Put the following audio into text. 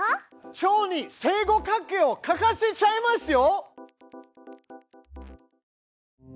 チョウに正五角形を描かせちゃいますよ！